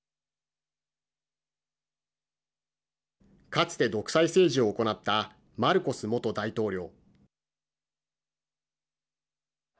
かつて独裁政治を行ったマルコス元大統領。